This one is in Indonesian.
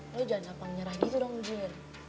lo jangan gampang nyerah gitu dong jin